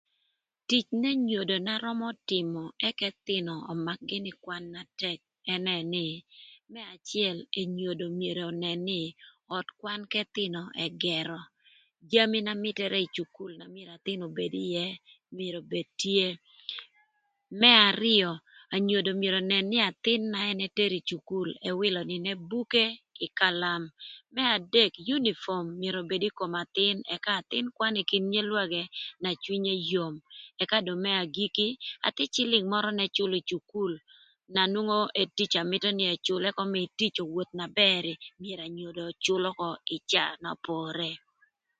Tic n'enyodo na römö tïmö ëk ëthïnö ömak gïnï kwan na tëk ënë nï, më acël enyodo myero önën nï öt kwan k'ëthïnö ëgërö jami na mïtërë ï cukul na myero athïn obed ïë myero obed tye. Më arïö anyodo myero önën nï athïn na ën etero ï cukul ëwïlö nïnë buke kï kalam. Më adek yunipom myero obed ï kom athïn ëka athïn kwanö ï kin nyelwagë na cwinye yom ëka dong më ajiki athï cïlïng mörö n'ëcülö ï cukul na nwongo edtica mïtö nï ëcül ëk ömïï tic owoth na bër myero enyodo öcül ökö ï caa n'opore